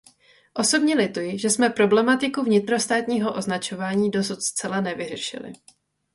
Osobně lituji, že jsme problematiku vnitrostátního označování dosud zcela nevyřešili.